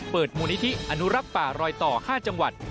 เปิดมูลนิธิอนุรับป่ารอยต่อ๕จังหวัด